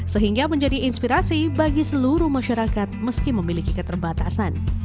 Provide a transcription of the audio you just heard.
sehingga menjadi inspirasi bagi seluruh masyarakat meski memiliki keterbatasan